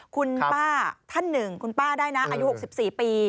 คุณป้าท่านหนึ่งคุณป้าได้นะอายุ๖๔ปี